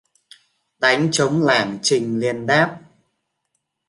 Đánh trống lảng trình liền đáp